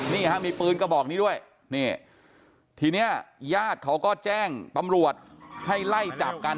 นี่ฮะมีปืนกระบอกนี้ด้วยนี่ทีเนี้ยญาติเขาก็แจ้งตำรวจให้ไล่จับกัน